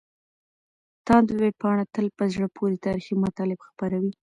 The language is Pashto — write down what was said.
تاند ویبپاڼه تل په زړه پورې تاريخي مطالب خپروي.